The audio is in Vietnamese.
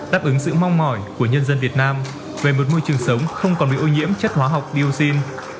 đáp ứng sự mong mỏi của nhân dân việt nam về một môi trường sống không còn bị ô nhiễm chất hóa học dioxin